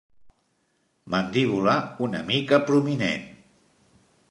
Mandíbula una mica prominent.